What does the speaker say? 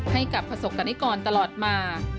ให้กับประสบกรณิกรตลอดมา